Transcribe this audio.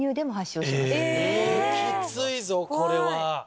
きついぞこれは。